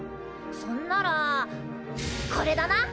そんならこれだな！